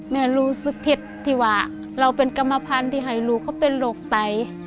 รู้สึกผิดที่ว่าเราเป็นกรรมพันธุ์ที่ให้ลูกเขาเป็นโรคไต